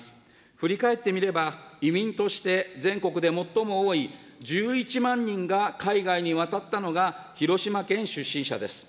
振り返ってみれば、移民として全国で最も多い１１万人が海外に渡ったのが、広島県出身者です。